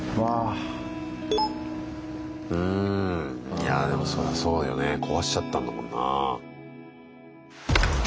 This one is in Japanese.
いやでもそらそうよね壊しちゃったんだもんな。